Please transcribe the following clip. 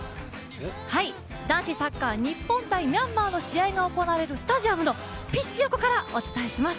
男子サッカー日本×ミャンマーの試合が行われるピッチ横からお伝えします。